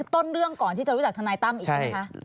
ต้นเรื่องก่อนที่จะรู้จักทนายตั้มอีกใช่ไหมคะ